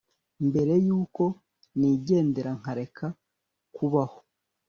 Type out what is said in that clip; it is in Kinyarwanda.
mbere y'uko nigendera, nkareka kubaho